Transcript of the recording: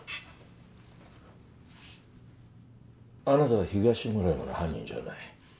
あなたは東村山の犯人じゃない。